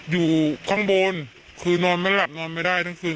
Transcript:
อยู่ข้างบนคือนอนไม่หลับนอนไม่ได้ทั้งคืน